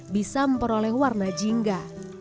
bisa memperoleh warna jingga